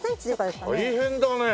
大変だねえ！